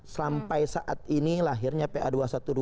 sampai saat ini lahirnya pa dua ratus dua belas